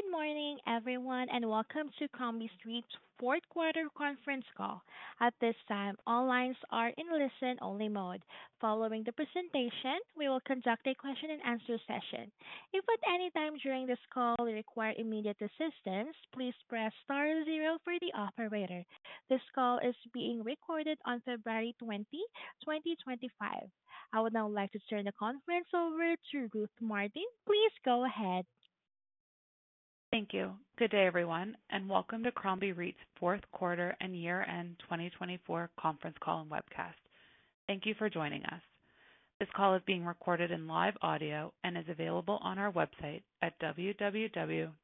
Good morning, everyone, and welcome to Crombie REIT's fourth quarter conference call. At this time, all lines are in listen-only mode. Following the presentation, we will conduct a question-and-answer session. If at any time during this call you require immediate assistance, please press star zero for the operator. This call is being recorded on February 20, 2025. I would now like to turn the conference over to Ruth Martin. Please go ahead. Thank you. Good day, everyone, and welcome to Crombie REIT's fourth quarter and year-end 2024 conference call and webcast. Thank you for joining us. This call is being recorded in live audio and is available on our website at www.crombie.ca.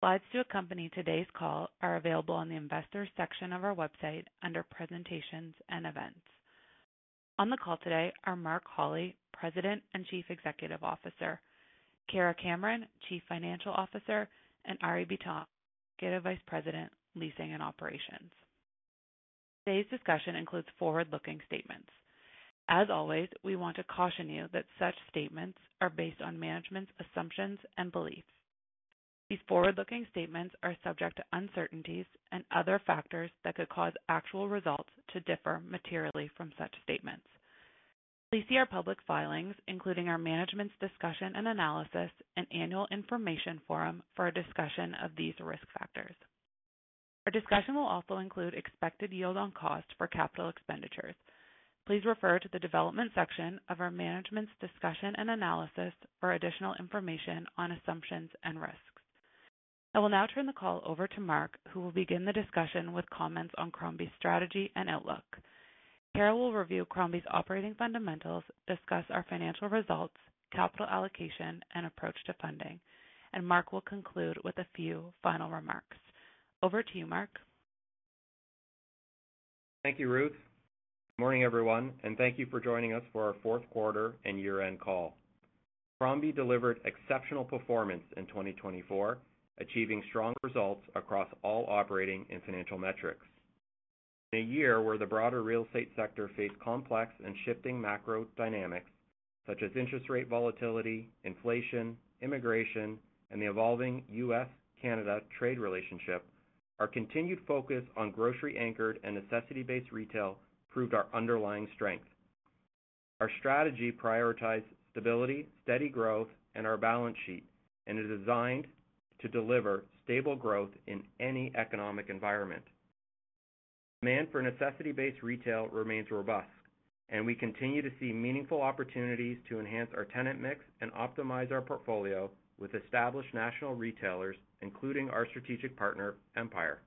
Slides to accompany today's call are available on the investor section of our website under presentations and events. On the call today are Mark Holly, President and Chief Executive Officer, Kara Cameron, Chief Financial Officer, and Arie Bitton, Executive Vice President, Leasing and Operations. Today's discussion includes forward-looking statements. As always, we want to caution you that such statements are based on management's assumptions and beliefs. These forward-looking statements are subject to uncertainties and other factors that could cause actual results to differ materially from such statements. Please see our public filings, including our management's discussion and analysis, and annual information form for a discussion of these risk factors. Our discussion will also include expected yield on cost for capital expenditures. Please refer to the development section of our management's discussion and analysis for additional information on assumptions and risks. I will now turn the call over to Mark, who will begin the discussion with comments on Crombie's strategy and outlook. Kara will review Crombie's operating fundamentals, discuss our financial results, capital allocation, and approach to funding, and Mark will conclude with a few final remarks. Over to you, Mark. Thank you, Ruth. Good morning, everyone, and thank you for joining us for our fourth quarter and year-end call. Crombie delivered exceptional performance in 2024, achieving strong results across all operating and financial metrics. In a year where the broader real estate sector faced complex and shifting macro dynamics, such as interest rate volatility, inflation, immigration, and the evolving U.S.-Canada trade relationship, our continued focus on grocery-anchored and necessity-based retail proved our underlying strength. Our strategy prioritized stability, steady growth, and our balance sheet, and is designed to deliver stable growth in any economic environment. Demand for necessity-based retail remains robust, and we continue to see meaningful opportunities to enhance our tenant mix and optimize our portfolio with established national retailers, including our strategic partner, Empire.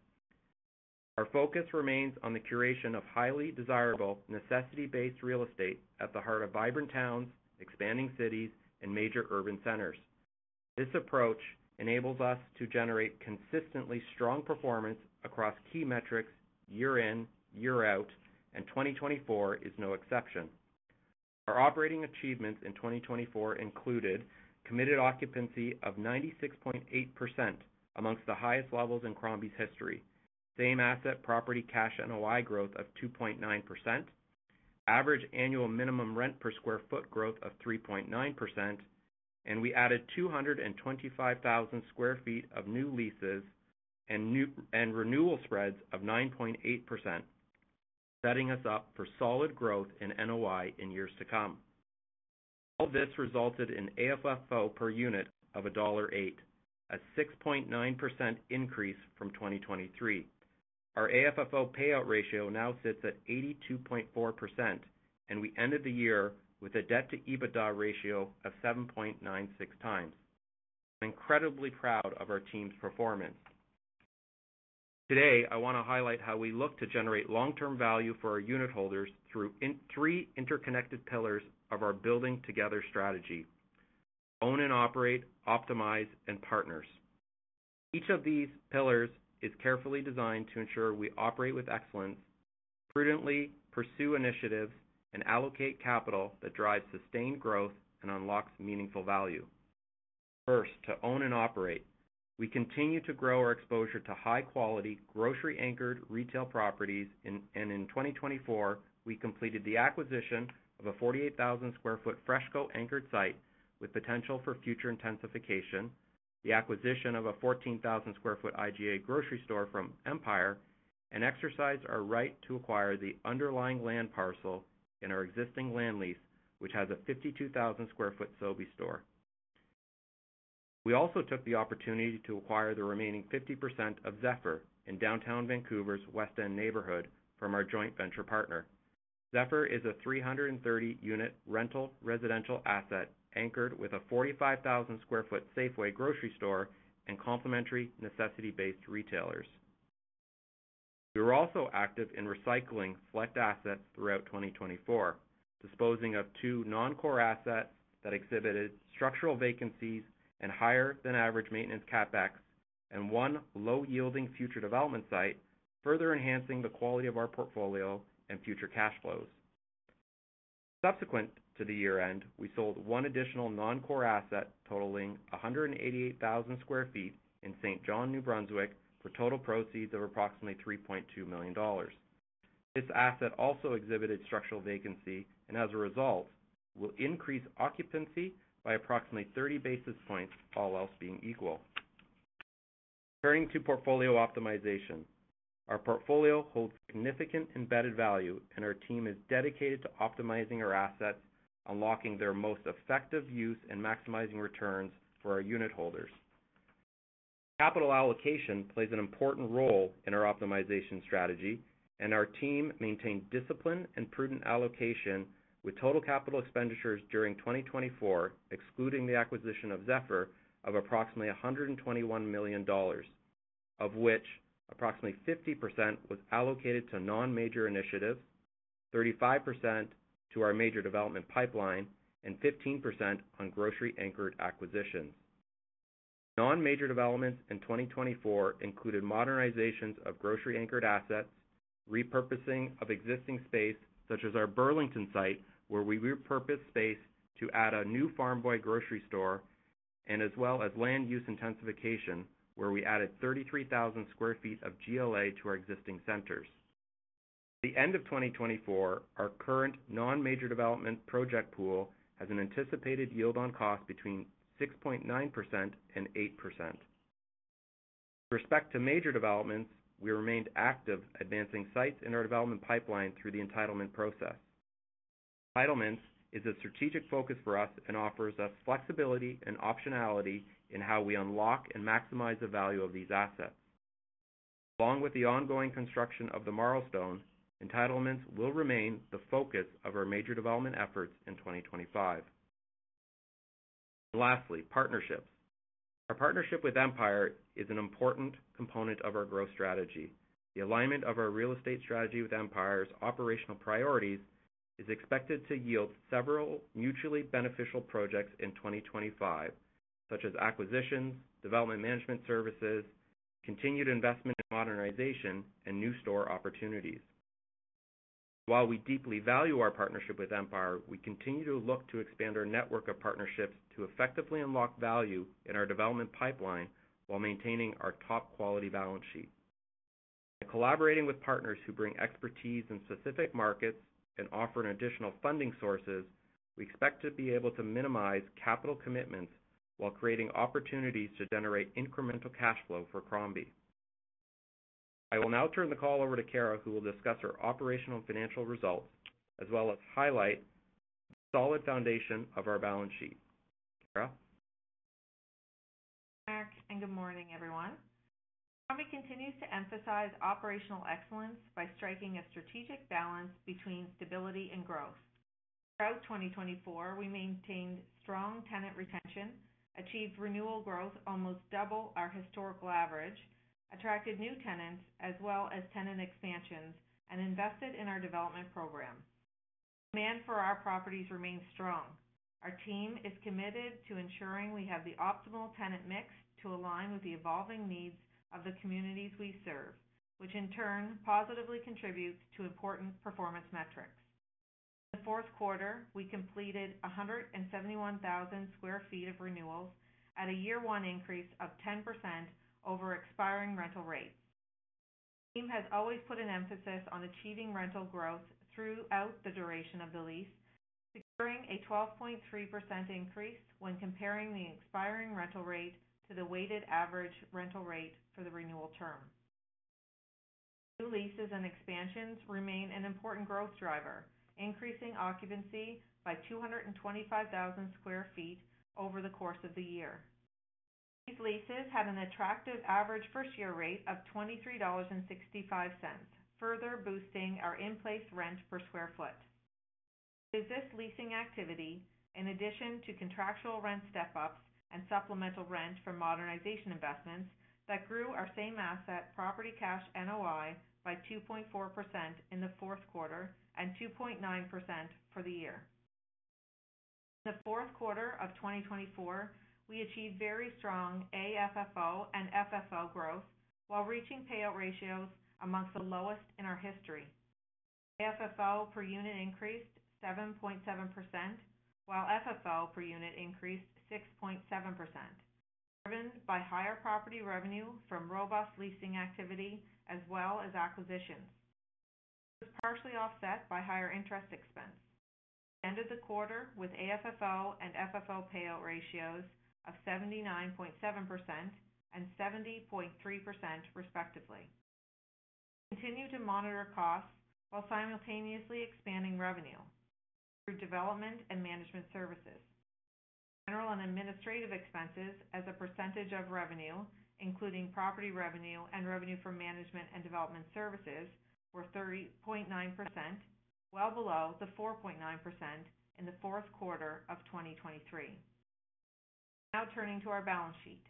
Our focus remains on the curation of highly desirable, necessity-based real estate at the heart of vibrant towns, expanding cities, and major urban centers. This approach enables us to generate consistently strong performance across key metrics year-in, year-out, and 2024 is no exception. Our operating achievements in 2024 included committed occupancy of 96.8%, among the highest levels in Crombie's history, same asset property cash NOI growth of 2.9%, average annual minimum rent per sq ft growth of 3.9%, and we added 225,000 sq ft of new leases and renewal spreads of 9.8%, setting us up for solid growth in NOI in years to come. All this resulted in AFFO per unit of dollar 1.08, a 6.9% increase from 2023. Our AFFO payout ratio now sits at 82.4%, and we ended the year with a debt-to-EBITDA ratio of 7.96 times. I'm incredibly proud of our team's performance. Today, I want to highlight how we look to generate long-term value for our unit holders through three interconnected pillars of our building-together strategy: Own and Operate, Optimize, and Partners. Each of these pillars is carefully designed to ensure we operate with excellence, prudently pursue initiatives, and allocate capital that drives sustained growth and unlocks meaningful value. First, to own and operate, we continue to grow our exposure to high-quality, grocery-anchored retail properties, and in 2024, we completed the acquisition of a 48,000 sq ft FreshCo anchored site with potential for future intensification, the acquisition of a 14,000 sq ft IGA grocery store from Empire, and exercised our right to acquire the underlying land parcel in our existing land lease, which has a 52,000 sq ft Sobeys store. We also took the opportunity to acquire the remaining 50% of Zephyr in downtown Vancouver's West End neighborhood from our joint venture partner. Zephyr is a 330-unit rental residential asset anchored with a 45,000 sq ft Safeway grocery store and complementary necessity-based retailers. We were also active in recycling select assets throughout 2024, disposing of two non-core assets that exhibited structural vacancies and higher-than-average maintenance CapEx, and one low-yielding future development site, further enhancing the quality of our portfolio and future cash flows. Subsequent to the year-end, we sold one additional non-core asset totaling 188,000 sq ft in Saint John, New Brunswick, for total proceeds of approximately 3.2 million dollars. This asset also exhibited structural vacancy and, as a result, will increase occupancy by approximately 30 basis points, all else being equal. Turning to portfolio optimization, our portfolio holds significant embedded value, and our team is dedicated to optimizing our assets, unlocking their most effective use, and maximizing returns for our unit holders. Capital allocation plays an important role in our optimization strategy, and our team maintained discipline and prudent allocation with total capital expenditures during 2024, excluding the acquisition of Zephyr, of approximately 121 million dollars, of which approximately 50% was allocated to non-major initiatives, 35% to our major development pipeline, and 15% on grocery-anchored acquisitions. Non-major developments in 2024 included modernizations of grocery-anchored assets, repurposing of existing space, such as our Burlington site, where we repurposed space to add a new Farm Boy grocery store, and as well as land use intensification, where we added 33,000 sq ft of GLA to our existing centers. At the end of 2024, our current non-major development project pool has an anticipated yield on cost between 6.9% and 8%. With respect to major developments, we remained active, advancing sites in our development pipeline through the entitlement process. Entitlements is a strategic focus for us and offers us flexibility and optionality in how we unlock and maximize the value of these assets. Along with the ongoing construction of the Marlstone, entitlements will remain the focus of our major development efforts in 2025. Lastly, partnerships. Our partnership with Empire is an important component of our growth strategy. The alignment of our real estate strategy with Empire's operational priorities is expected to yield several mutually beneficial projects in 2025, such as acquisitions, development management services, continued investment in modernization, and new store opportunities. While we deeply value our partnership with Empire, we continue to look to expand our network of partnerships to effectively unlock value in our development pipeline while maintaining our top quality balance sheet. By collaborating with partners who bring expertise in specific markets and offer additional funding sources, we expect to be able to minimize capital commitments while creating opportunities to generate incremental cash flow for Crombie. I will now turn the call over to Kara, who will discuss our operational and financial results, as well as highlight the solid foundation of our balance sheet. Kara? Mark, and good morning, everyone. Crombie continues to emphasize operational excellence by striking a strategic balance between stability and growth. Throughout 2024, we maintained strong tenant retention, achieved renewal growth almost double our historical average, attracted new tenants, as well as tenant expansions, and invested in our development program. Demand for our properties remains strong. Our team is committed to ensuring we have the optimal tenant mix to align with the evolving needs of the communities we serve, which in turn positively contributes to important performance metrics. In the fourth quarter, we completed 171,000 sq ft of renewals, at a year-one increase of 10% over expiring rental rates. The team has always put an emphasis on achieving rental growth throughout the duration of the lease, securing a 12.3% increase when comparing the expiring rental rate to the weighted average rental rate for the renewal term. New leases and expansions remain an important growth driver, increasing occupancy by 225,000 sq ft over the course of the year. These leases had an attractive average first-year rate of $23.65, further boosting our in-place rent per square foot. It is this leasing activity, in addition to contractual rent step-ups and supplemental rent for modernization investments, that grew our same asset property cash NOI by 2.4% in the fourth quarter and 2.9% for the year. In the fourth quarter of 2024, we achieved very strong AFFO and FFO growth while reaching payout ratios among the lowest in our history. AFFO per unit increased 7.7%, while FFO per unit increased 6.7%, driven by higher property revenue from robust leasing activity as well as acquisitions. It was partially offset by higher interest expense. We ended the quarter with AFFO and FFO payout ratios of 79.7% and 70.3%, respectively. We continue to monitor costs while simultaneously expanding revenue through development and management services. General and administrative expenses as a percentage of revenue, including property revenue and revenue from management and development services, were 30.9%, well below the 4.9% in the fourth quarter of 2023. Now turning to our balance sheet.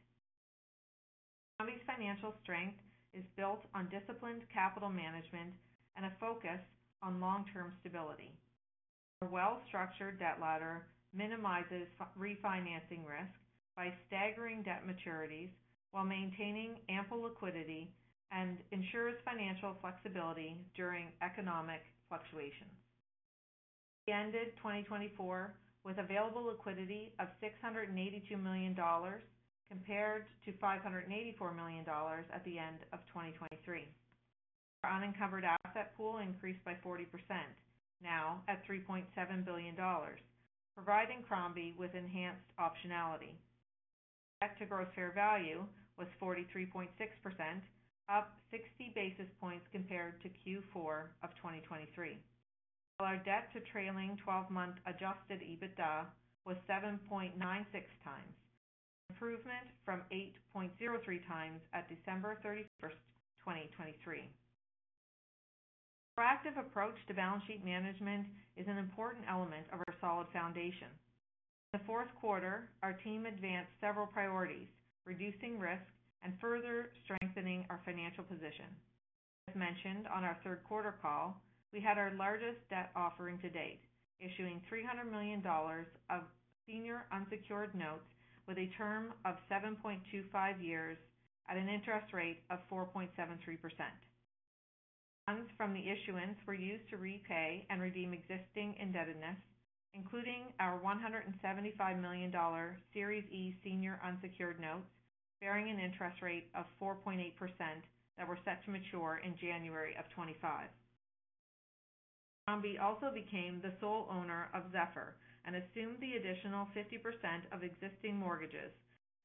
Crombie's financial strength is built on disciplined capital management and a focus on long-term stability. Our well-structured debt ladder minimizes refinancing risk by staggering debt maturities while maintaining ample liquidity and ensures financial flexibility during economic fluctuations. We ended 2024 with available liquidity of 682 million dollars compared to 584 million dollars at the end of 2023. Our unencumbered asset pool increased by 40%, now at 3.7 billion dollars, providing Crombie with enhanced optionality. Debt-to-gross fair value was 43.6%, up 60 basis points compared to Q4 of 2023. While our debt-to-trailing 12-month adjusted EBITDA was 7.96 times, an improvement from 8.03 times at December 31, 2023. Our proactive approach to balance sheet management is an important element of our solid foundation. In the fourth quarter, our team advanced several priorities, reducing risk and further strengthening our financial position. As mentioned on our third quarter call, we had our largest debt offering to date, issuing 300 million dollars of senior unsecured notes with a term of 7.25 years at an interest rate of 4.73%. Funds from the issuance were used to repay and redeem existing indebtedness, including our 175 million dollar Series E senior unsecured notes bearing an interest rate of 4.8% that were set to mature in January 2025. Crombie also became the sole owner of Zephyr and assumed the additional 50% of existing mortgages,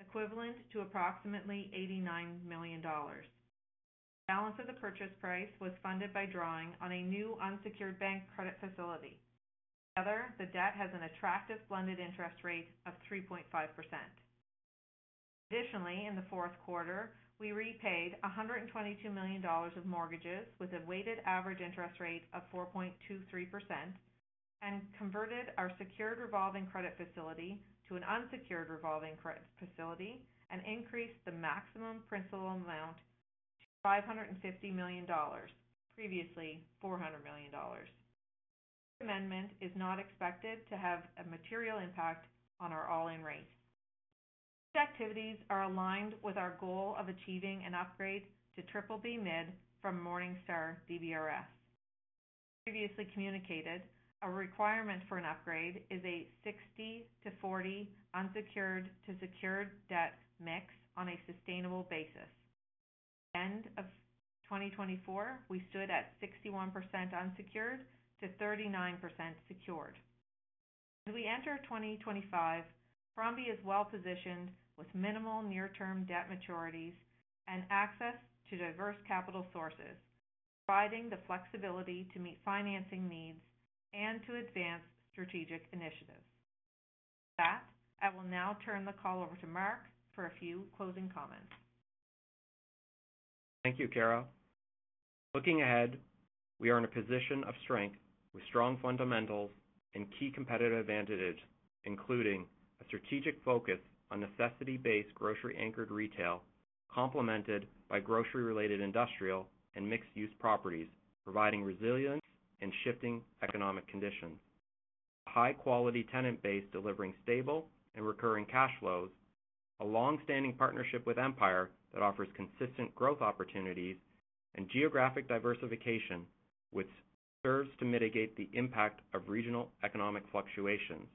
equivalent to approximately 89 million dollars. The balance of the purchase price was funded by drawing on a new unsecured bank credit facility. Together, the debt has an attractive blended interest rate of 3.5%. Additionally, in the fourth quarter, we repaid 122 million dollars of mortgages with a weighted average interest rate of 4.23% and converted our secured revolving credit facility to an unsecured revolving credit facility and increased the maximum principal amount to 550 million dollars, previously 400 million dollars. This amendment is not expected to have a material impact on our all-in rate. These activities are aligned with our goal of achieving an upgrade to BBB (mid) from Morningstar DBRS. As previously communicated, a requirement for an upgrade is a 60% to 40% unsecured to secured debt mix on a sustainable basis. At the end of 2024, we stood at 61% unsecured to 39% secured. As we enter 2025, Crombie is well-positioned with minimal near-term debt maturities and access to diverse capital sources, providing the flexibility to meet financing needs and to advance strategic initiatives. With that, I will now turn the call over to Mark for a few closing comments. Thank you, Kara. Looking ahead, we are in a position of strength with strong fundamentals and key competitive advantages, including a strategic focus on necessity-based grocery-anchored retail, complemented by grocery-related industrial and mixed-use properties, providing resilience in shifting economic conditions, a high-quality tenant base delivering stable and recurring cash flows, a long-standing partnership with Empire that offers consistent growth opportunities, and geographic diversification, which serves to mitigate the impact of regional economic fluctuations,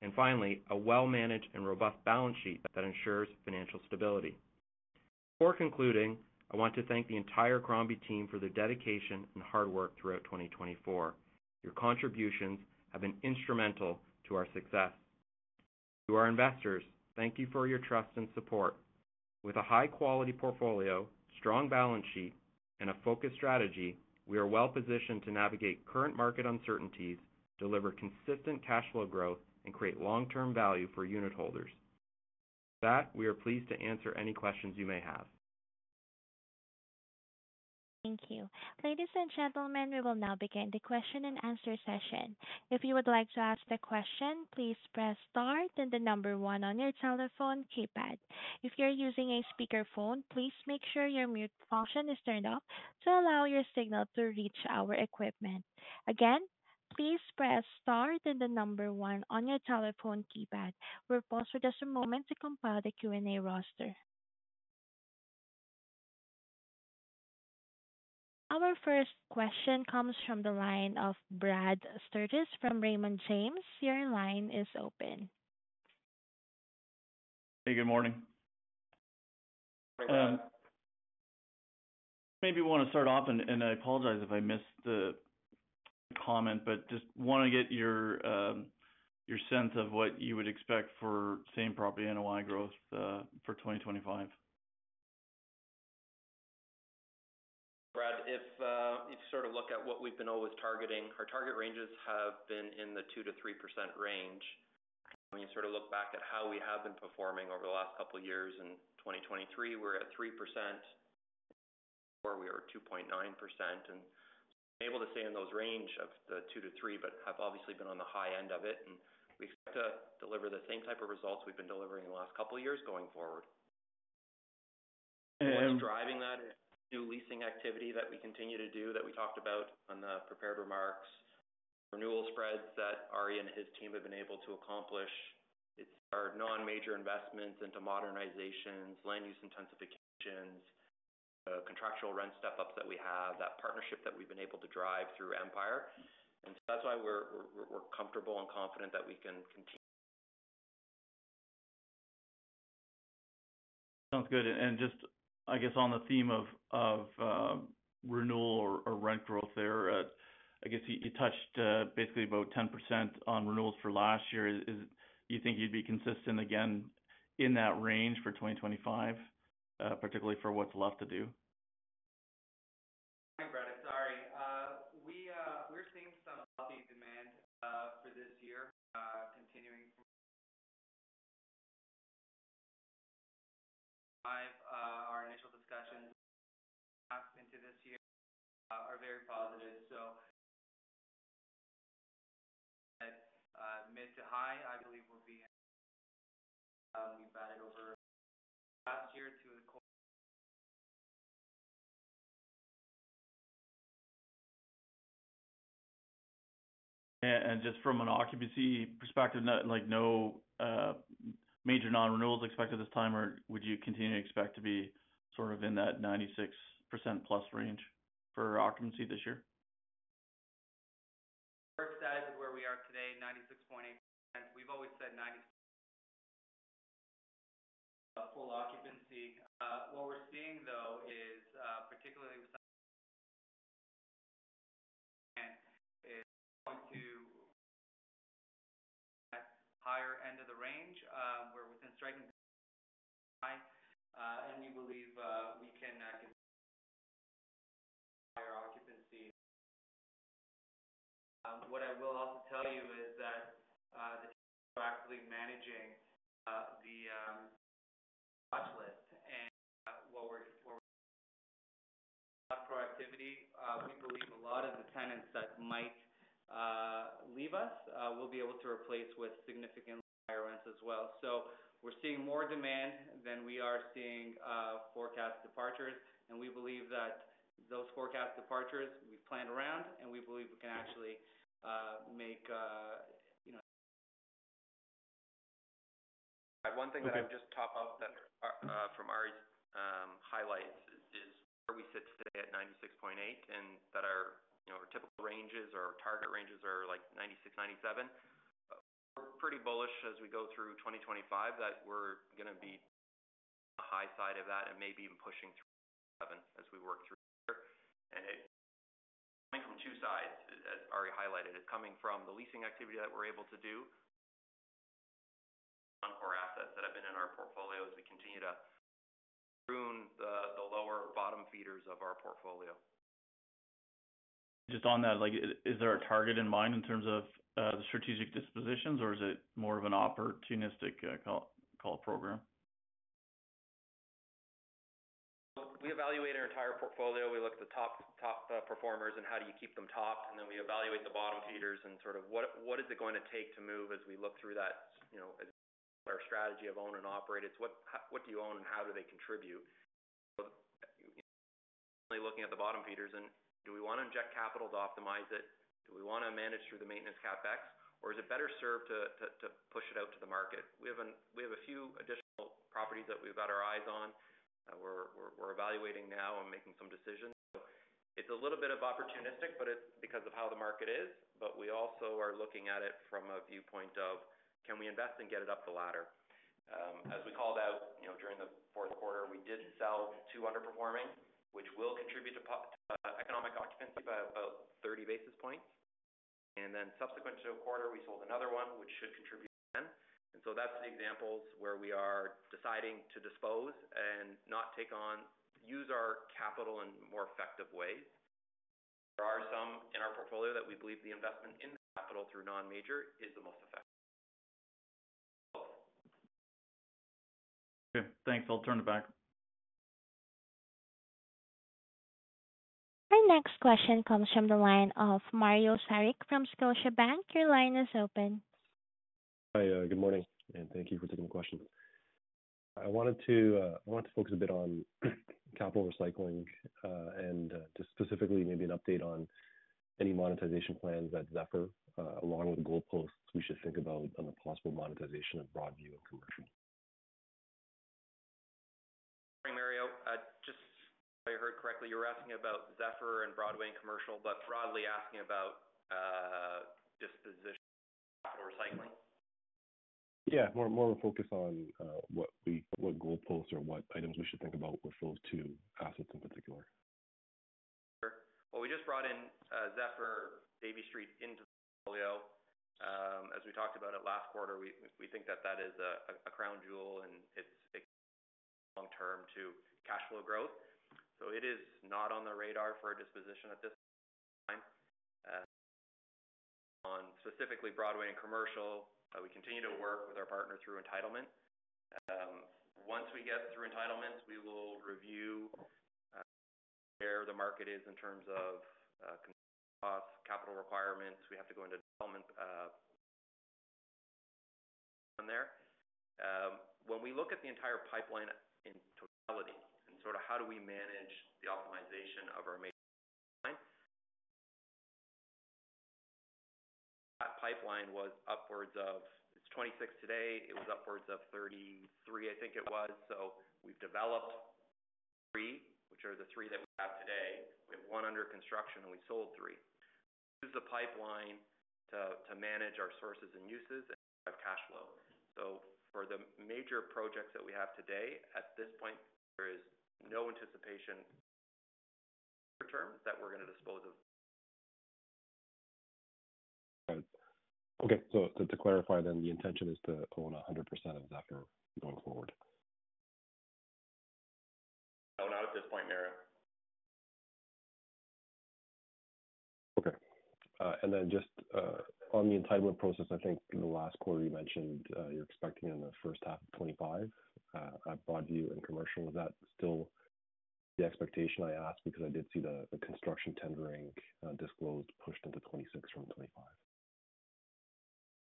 and finally, a well-managed and robust balance sheet that ensures financial stability. Before concluding, I want to thank the entire Crombie team for their dedication and hard work throughout 2024. Your contributions have been instrumental to our success. To our investors, thank you for your trust and support. With a high-quality portfolio, strong balance sheet, and a focused strategy, we are well-positioned to navigate current market uncertainties, deliver consistent cash flow growth, and create long-term value for unit holders. With that, we are pleased to answer any questions you may have. Thank you. Ladies and gentlemen, we will now begin the question-and-answer session. If you would like to ask a question, please press star then the number one on your telephone keypad. If you're using a speakerphone, please make sure your mute function is turned off to allow your signal to reach our equipment. Again, please press star then the number one on your telephone keypad. We'll pause for just a moment to compile the Q&A roster. Our first question comes from the line of Brad Sturges from Raymond James. Your line is open. Hey, good morning. Maybe we want to start off, and I apologize if I missed the comment, but just want to get your sense of what you would expect for same property NOI growth for 2025. Brad, if you sort of look at what we've been always targeting, our target ranges have been in the 2%-3% range. When you sort of look back at how we have been performing over the last couple of years, in 2023, we were at 3%, where we were at 2.9%. And so we've been able to stay in those range of the 2%-3%, but have obviously been on the high end of it. And we expect to deliver the same type of results we've been delivering in the last couple of years going forward. What's driving that is new leasing activity that we continue to do that we talked about in the prepared remarks. Renewal spreads that Arie and his team have been able to accomplish. It's our non-major investments into modernizations, land use intensifications, the contractual rent step-ups that we have, that partnership that we've been able to drive through Empire, and so that's why we're comfortable and confident that we can continue. Sounds good. And just, I guess, on the theme of renewal or rent growth there, I guess you touched basically about 10% on renewals for last year. Do you think you'd be consistent again in that range for 2025, particularly for what's left to do? Hi, Brad. Sorry. We're seeing some upbeat demand for this year, continuing from our initial discussions into this year. We are very positive. So mid-to-high, I believe, will be. We've added over last year to the. Just from an occupancy perspective, no major non-renewals expected this time, or would you continue to expect to be sort of in that 96%-plus range for occupancy this year? We're excited with where we are today, 96.8%. We've always said 96% full occupancy. What we're seeing, though, is particularly with and going to that higher end of the range. We're within striking high, and we believe we can get higher occupancy. What I will also tell you is that actively managing the watch list and what we're productivity. We believe a lot of the tenants that might leave us will be able to replace with significantly higher rents as well. So we're seeing more demand than we are seeing forecast departures, and we believe that those forecast departures we've planned around, and we believe we can actually make. One thing that I would just top up from Arie's highlights is where we sit today at 96.8% and that our typical ranges, our target ranges are like 96%, 97%. We're pretty bullish as we go through 2025 that we're going to be on the high side of that and maybe even pushing through 97% as we work through the year, and it's coming from two sides, as Arie highlighted. It's coming from the leasing activity that we're able to do on core assets that have been in our portfolio as we continue to prune the lower bottom feeders of our portfolio. Just on that, is there a target in mind in terms of the strategic dispositions, or is it more of an opportunistic capital program? We evaluate our entire portfolio. We look at the top performers and how do you keep them topped? And then we evaluate the bottom feeders and sort of what is it going to take to move as we look through that, as our strategy of own and operate? It's what do you own and how do they contribute? So only looking at the bottom feeders, and do we want to inject capital to optimize it? Do we want to manage through the maintenance CapEx? Or is it better served to push it out to the market? We have a few additional properties that we've got our eyes on that we're evaluating now and making some decisions. So it's a little bit of opportunistic, but it's because of how the market is. But we also are looking at it from a viewpoint of, can we invest and get it up the ladder? As we called out during the fourth quarter, we did sell two underperforming, which will contribute to economic occupancy by about 30 basis points. And then subsequent to a quarter, we sold another one, which should contribute to 10 basis points. And so that's the examples where we are deciding to dispose and not take on, use our capital in more effective ways. There are some in our portfolio that we believe the investment in capital through non-major is the most effective. Okay. Thanks. I'll turn it back. Our next question comes from the line of Mario Saric from Scotiabank. Your line is open. Hi, good morning, and thank you for the question. I wanted to focus a bit on capital recycling and just specifically maybe an update on any monetization plans at Zephyr, along with the goalposts we should think about on the possible monetization of Broadway and Commercial. Mario, just so I heard correctly, you were asking about Zephyr and Broadway and Commercial, but broadly asking about disposition. Capital recycling? Yeah, more of a focus on what goalposts or what items we should think about with those two assets in particular. Sure. Well, we just brought in Zephyr Davie Street into the portfolio. As we talked about it last quarter, we think that that is a crown jewel, and it's long-term to cash flow growth. So it is not on the radar for a disposition at this time. Specifically, Broadway and Commercial, we continue to work with our partner through entitlement. Once we get through entitlements, we will review where the market is in terms of cost, capital requirements. We have to go into development there. When we look at the entire pipeline in totality and sort of how do we manage the optimization of our main pipeline, that pipeline was upwards of it's 26 today. It was upwards of 33, I think it was. So we've developed three, which are the three that we have today. We have one under construction, and we sold three. We use the pipeline to manage our sources and uses and drive cash flow so for the major projects that we have today, at this point, there is no anticipation in the near term that we're going to dispose of. Okay. So to clarify then, the intention is to own 100% of Zephyr going forward? No, not at this point, Mary. Okay. And then just on the entitlement process, I think in the last quarter, you mentioned you're expecting in the first half of 2025, Broadway and Commercial. Is that still the expectation I asked? Because I did see the construction tendering disclosed pushed into 2026 from 2025.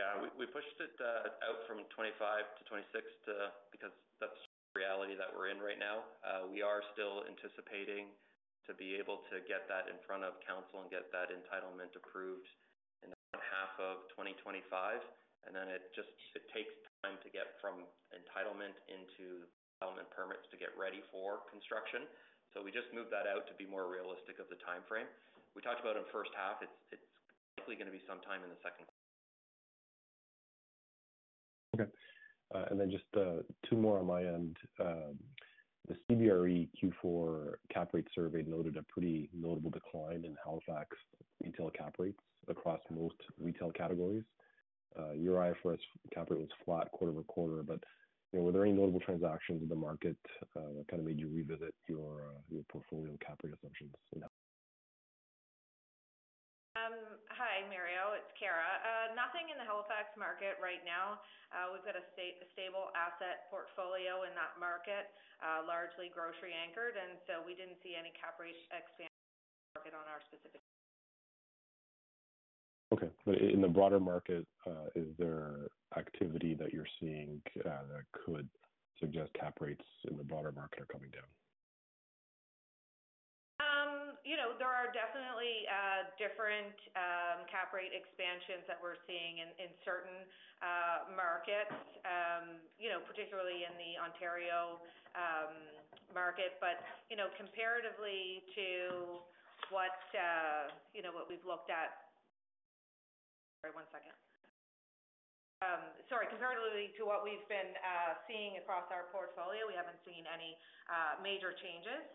Yeah, we pushed it out from 2025 to 2026 because that's the reality that we're in right now. We are still anticipating to be able to get that in front of council and get that entitlement approved in the second half of 2025, and then it takes time to get from entitlement into entitlement permits to get ready for construction, so we just moved that out to be more realistic of the timeframe. We talked about it in the first half. It's likely going to be sometime in the second quarter. Okay. And then just two more on my end. The CBRE Q4 cap rate survey noted a pretty notable decline in Halifax retail cap rates across most retail categories. Your IFRS cap rate was flat quarter over quarter, but were there any notable transactions in the market that kind of made you revisit your portfolio cap rate assumptions? Hi, Mario. It's Kara. Nothing in the Halifax market right now. We've got a stable asset portfolio in that market, largely grocery anchored, and so we didn't see any cap rate expansion in the market on our specific. Okay. But in the broader market, is there activity that you're seeing that could suggest cap rates in the broader market are coming down? There are definitely different cap rate expansions that we're seeing in certain markets, particularly in the Ontario market. But comparatively to what we've been seeing across our portfolio, we haven't seen any major changes.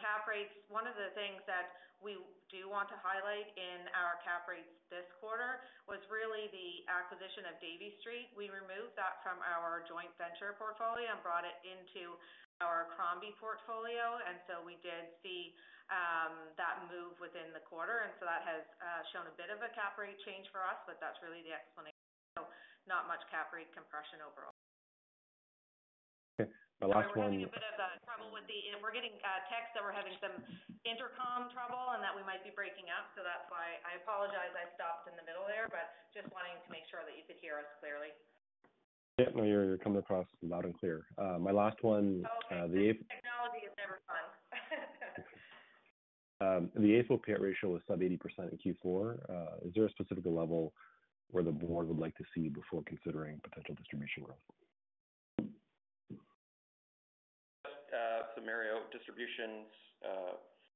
Cap rates, one of the things that we do want to highlight in our cap rates this quarter was really the acquisition of Davie Street. We removed that from our joint venture portfolio and brought it into our Crombie portfolio. And so we did see that move within the quarter. And so that has shown a bit of a cap rate change for us, but that's really the explanation. So not much cap rate compression overall. Okay. My last one. We're having a bit of trouble with the. We're getting texts that we're having some intercom trouble and that we might be breaking up. So that's why I apologize. I stopped in the middle there, but just wanting to make sure that you could hear us clearly. Yeah. No, you're coming across loud and clear. My last one. Technology is never fun. The AFFO payout ratio was sub-80% in Q4. Is there a specific level where the board would like to see before considering potential distribution growth? Just to Mario, distributions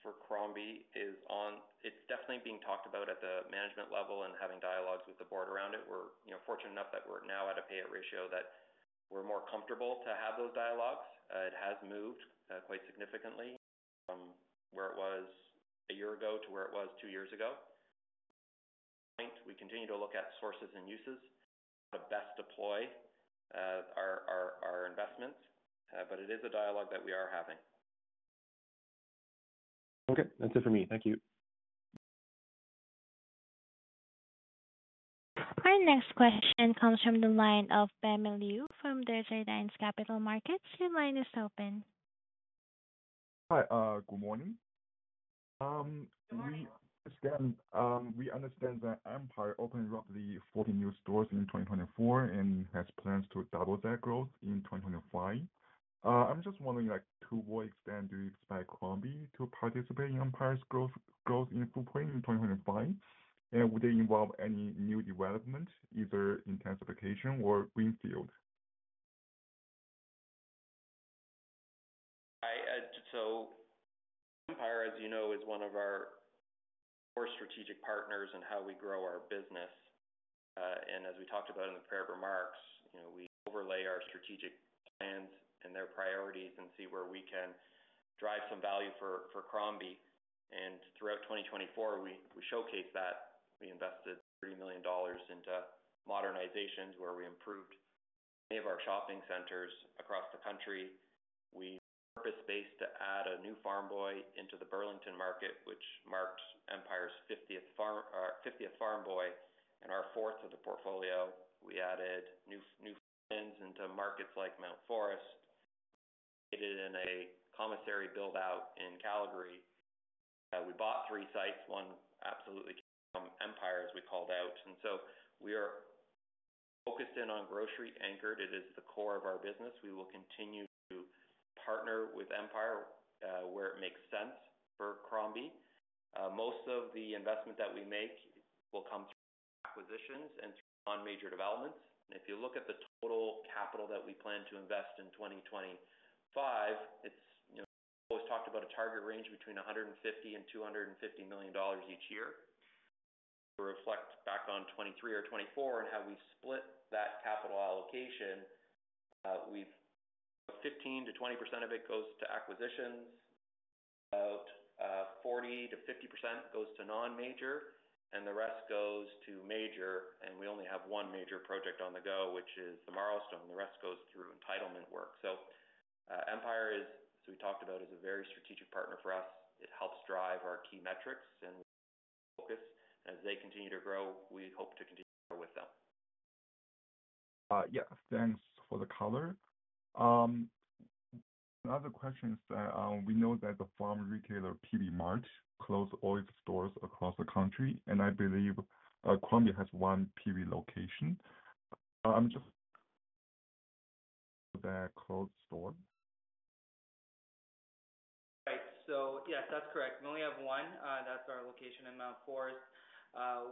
for Crombie is on, it's definitely being talked about at the management level and having dialogues with the board around it. We're fortunate enough that we're now at a payout ratio that we're more comfortable to have those dialogues. It has moved quite significantly from where it was a year ago to where it was two years ago. We continue to look at sources and uses, how to best deploy our investments, but it is a dialogue that we are having. Okay. That's it for me. Thank you. Our next question comes from the line of Ben Liu from Desjardins Capital Markets. Your line is open. Hi, good morning. We understand that Empire opened roughly 40 new stores in 2024 and has plans to double that growth in 2025. I'm just wondering to what extent do you expect Crombie to participate in Empire's growth in footprint in 2025? And would they involve any new development, either intensification or greenfield? Empire, as you know, is one of our core strategic partners in how we grow our business. And as we talked about in the prior remarks, we overlay our strategic plans and their priorities and see where we can drive some value for Crombie. And throughout 2024, we showcased that. We invested 30 million dollars into modernizations where we improved many of our shopping centers across the country. We repurposed to add a new Farm Boy into the Burlington market, which marked Empire's 50th Farm Boy and our fourth of the portfolio. We added new formats into markets like Mount Forest. We did it in a commissary build-out in Calgary. We bought three sites. One absolutely came from Empire, as we called out. And so we are focused in on grocery-anchored. It is the core of our business. We will continue to partner with Empire where it makes sense for Crombie. Most of the investment that we make will come through acquisitions and through non-major developments. And if you look at the total capital that we plan to invest in 2025, it's always talked about a target range between 150 million and 250 million dollars each year. To reflect back on 2023 or 2024 and how we split that capital allocation, we've 15%-20% of it goes to acquisitions, about 40%-50% goes to non-major, and the rest goes to major. And we only have one major project on the go, which is the Marlstone. The rest goes through entitlement work. So Empire, as we talked about, is a very strategic partner for us. It helps drive our key metrics and focus. As they continue to grow, we hope to continue to grow with them. Yeah. Thanks for the color. Another question is that we know that the farm retailer Peavey Mart closed all its stores across the country, and I believe Crombie has one Peavey location. I'm just—so that closed the store. Right. So yes, that's correct. We only have one. That's our location in Mount Forest.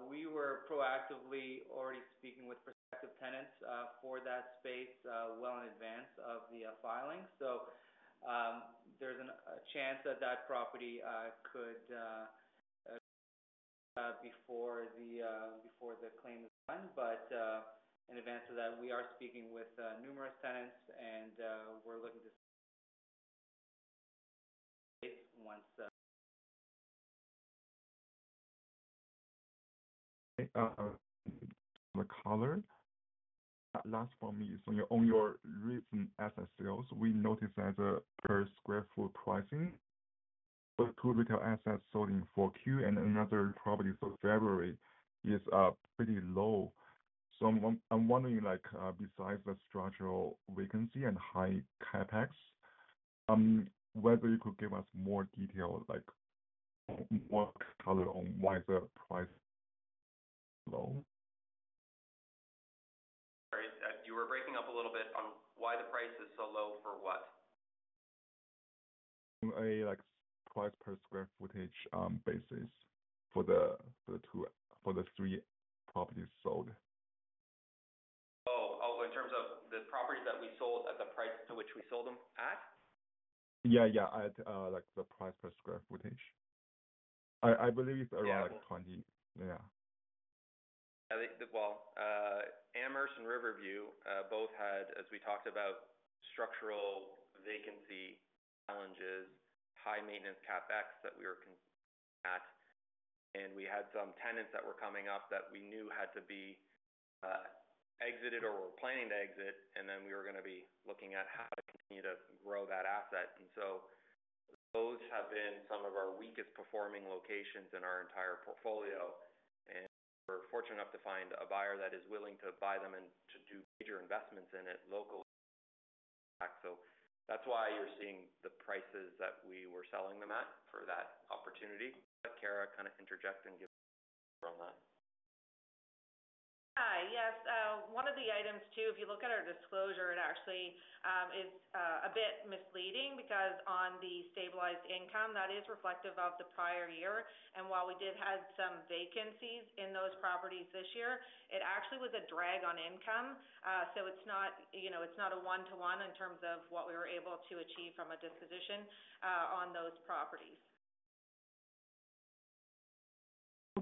We were proactively already speaking with prospective tenants for that space well in advance of the filing. So there's a chance that that property could be sold before the claim is done. But in advance of that, we are speaking with numerous tenants, and we're looking to see once. Okay. Just a color. Last for me, on your recent asset sales, we noticed that per sq ft pricing, the two retail assets sold in 4Q and another probably for February is pretty low. So I'm wondering, besides the structural vacancy and high CapEx, whether you could give us more detail, like what color on why the price is low? Sorry. You were breaking up a little bit on why the price is so low for what? On a price per sq ft basis for the three properties sold. Oh, in terms of the properties that we sold at the price to which we sold them at? Yeah, yeah, at the price per square footage. I believe it's around 20. Yeah, well, Amherst and Riverview both had, as we talked about, structural vacancy challenges, high maintenance CapEx that we were at, and we had some tenants that were coming up that we knew had to be exited or were planning to exit, and then we were going to be looking at how to continue to grow that asset, and so those have been some of our weakest performing locations in our entire portfolio, and we're fortunate enough to find a buyer that is willing to buy them and to do major investments in it locally, so that's why you're seeing the prices that we were selling them at for that opportunity, but Kara, kind of interject and give us a bit of background on that. Hi. Yes. One of the items, too, if you look at our disclosure, it actually is a bit misleading because on the stabilized income, that is reflective of the prior year. And while we did have some vacancies in those properties this year, it actually was a drag on income. So it's not a one-to-one in terms of what we were able to achieve from a disposition on those properties.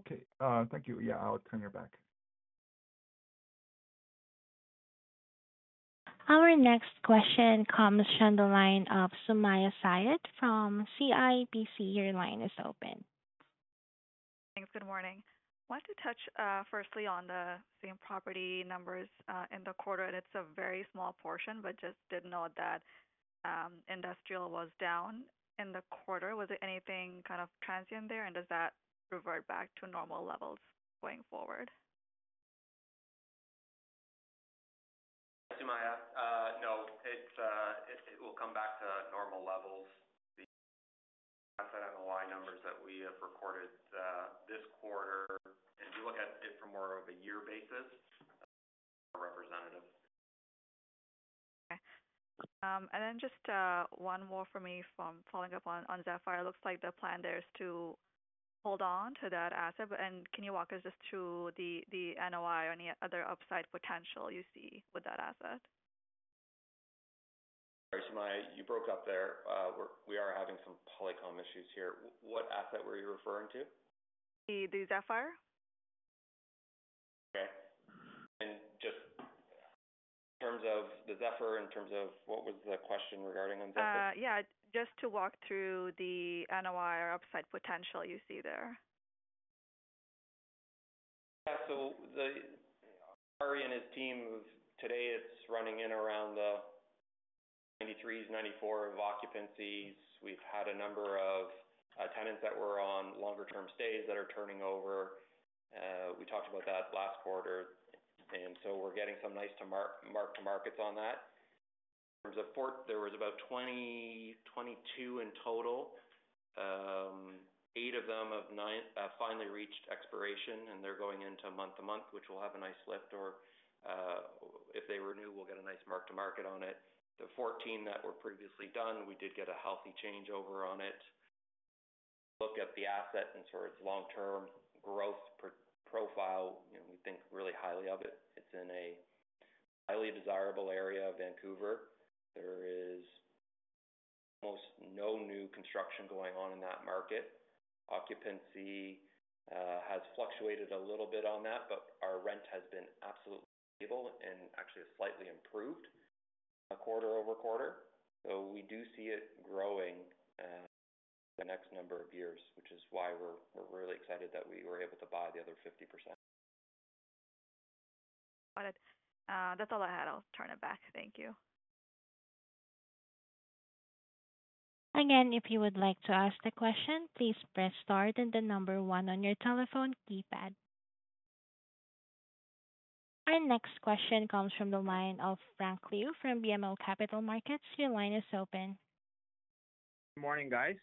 Okay. Thank you. Yeah, I'll turn it back. Our next question comes from the line of Sumayya Syed from CIBC. Your line is open. Thanks. Good morning. I want to touch firstly on the same property numbers in the quarter, and it's a very small portion, but just did note that industrial was down in the quarter. Was there anything kind of transient there? and does that revert back to normal levels going forward? Sumayya, no. It will come back to normal levels. The asset NOI numbers that we have recorded this quarter, and if you look at it from more of a year basis, are representative. Okay. And then just one more for me from following up on Zephyr. It looks like the plan there is to hold on to that asset. And can you walk us just through the NOI or any other upside potential you see with that asset? Sorry, Sumayya. You broke up there. We are having some Polycom issues here. What asset were you referring to? The Zephyr? Okay. And just in terms of the Zephyr, in terms of what was the question regarding on Zephyr? Yeah. Just to walk through the NOI or upside potential you see there. Yeah. So the Kara and her team, today, it's running in around the 93%-94% occupancies. We've had a number of tenants that were on longer-term leases that are turning over. We talked about that last quarter. And so we're getting some nice mark-to-markets on that. In terms of fourth, there was about 20-22 in total. Eight of them have finally reached expiration, and they're going into month-to-month, which will have a nice lift. Or if they renew, we'll get a nice mark-to-market on it. The 14 that were previously done, we did get a healthy changeover on it. Look at the asset and sort of its long-term growth profile, we think really highly of it. It's in a highly desirable area of Vancouver. There is almost no new construction going on in that market. Occupancy has fluctuated a little bit on that, but our rent has been absolutely stable and actually slightly improved quarter over quarter. So we do see it growing the next number of years, which is why we're really excited that we were able to buy the other 50%. Got it. That's all I had. I'll turn it back. Thank you. Again, if you would like to ask the question, please press star and the number one on your telephone keypad. Our next question comes from the line of Frank Liu from BMO Capital Markets. Your line is open. Good morning, guys.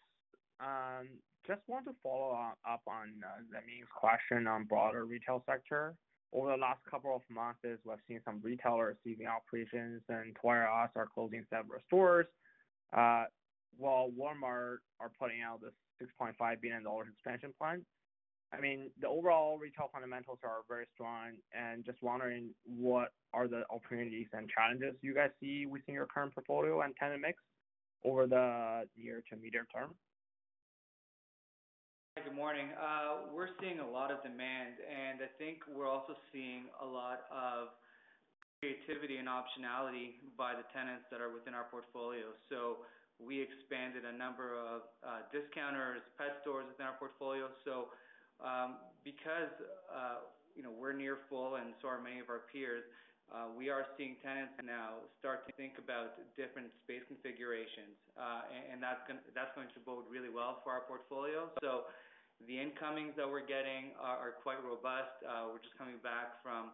Just want to follow up on Sumayya's question on broader retail sector. Over the last couple of months, we've seen some retailers ceasing operations, and Toys "R" Us are closing several stores while Walmart is putting out this $6.5 billion expansion plan. I mean, the overall retail fundamentals are very strong. Just wondering, what are the opportunities and challenges you guys see within your current portfolio and tenant mix over the near to medium term? Hi, good morning. We're seeing a lot of demand, and I think we're also seeing a lot of creativity and optionality by the tenants that are within our portfolio. So we expanded a number of discounters, pet stores within our portfolio. So because we're near full and so are many of our peers, we are seeing tenants now start to think about different space configurations. And that's going to bode really well for our portfolio. So the incomings that we're getting are quite robust. We're just coming back from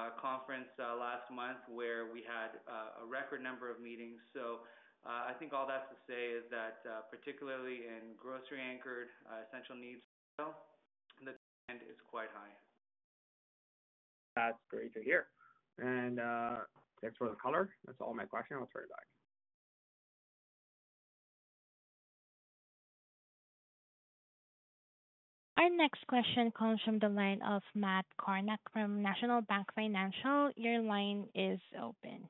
a conference last month where we had a record number of meetings. So I think all that's to say is that particularly in grocery anchored, essential needs sales, the demand is quite high. That's great to hear. And thanks for the color. That's all my questions. I'll turn it back. Our next question comes from the line of Matt Kornack from National Bank Financial. Your line is open.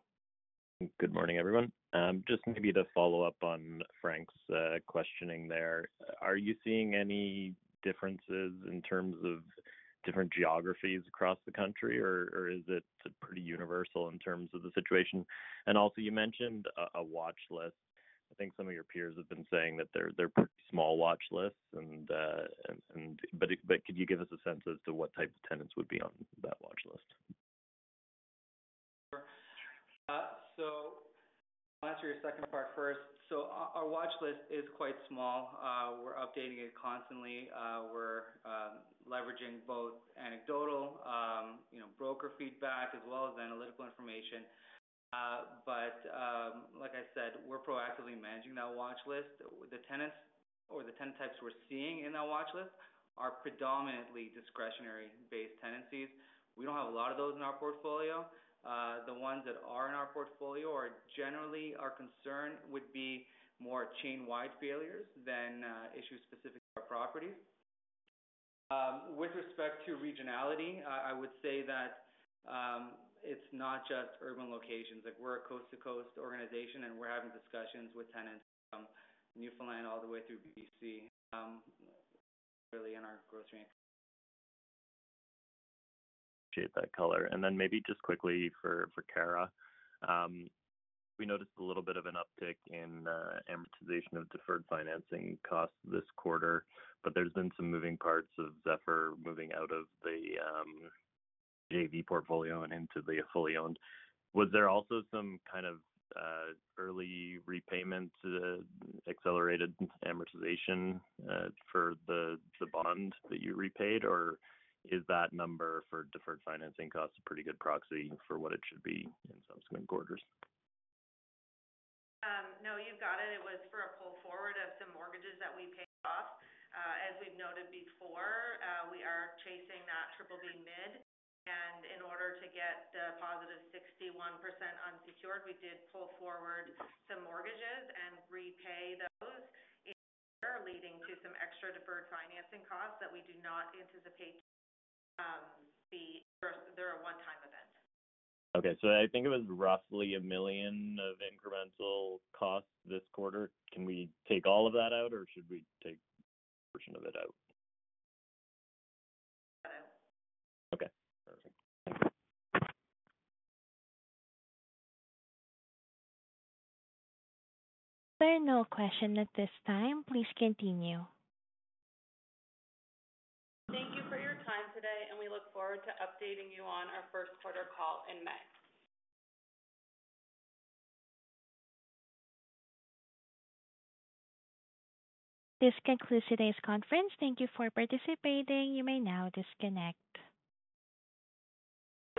Good morning, everyone. Just maybe to follow up on Frank's questioning there, are you seeing any differences in terms of different geographies across the country, or is it pretty universal in terms of the situation? And also, you mentioned a watch list. I think some of your peers have been saying that they're pretty small watch lists. But could you give us a sense as to what type of tenants would be on that watch list? So I'll answer your second part first. So our watch list is quite small. We're updating it constantly. We're leveraging both anecdotal broker feedback as well as analytical information. But like I said, we're proactively managing that watch list. The tenants or the tenant types we're seeing in that watch list are predominantly discretionary-based tenancies. We don't have a lot of those in our portfolio. The ones that are in our portfolio are generally our concern would be more chain-wide failures than issues specific to our properties. With respect to regionality, I would say that it's not just urban locations. We're a coast-to-coast organization, and we're having discussions with tenants from Newfoundland all the way through BC, really in our grocery anchor. Appreciate that color. And then maybe just quickly for Kara, we noticed a little bit of an uptick in amortization of deferred financing costs this quarter, but there's been some moving parts of Zephyr moving out of the JV portfolio and into the fully owned. Was there also some kind of early repayment, accelerated amortization for the bond that you repaid, or is that number for deferred financing costs a pretty good proxy for what it should be in subsequent quarters? No, you've got it. It was for a pull forward of some mortgages that we paid off. As we've noted before, we are chasing that BBB mid. And in order to get the positive 61% unsecured, we did pull forward some mortgages and repay those, leading to some extra deferred financing costs that we do not anticipate to be a one-time event. Okay. So I think it was roughly 1 million of incremental costs this quarter. Can we take all of that out, or should we take a portion of it out? Got it. Okay. Perfect. Thanks. There are no questions at this time. Please continue. Thank you for your time today, and we look forward to updating you on our first quarter call in May. This concludes today's conference. Thank you for participating. You may now disconnect.